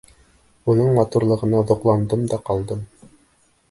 Уның матурлығына ҙоҡландым да ҡалдым.